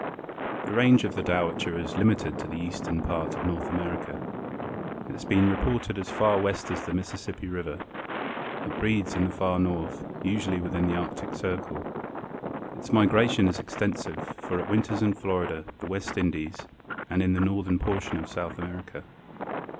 _) The range of the Dowitcher is limited to the eastern part of North America. It has been reported as far west as the Mississippi river. It breeds in the far north, usually within the Arctic Circle. Its migration is extensive for it winters in Florida, the West Indies and in the northern portion of South America.